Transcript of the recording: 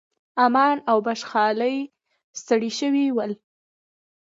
امان او بخشالۍ ستړي شوي ول.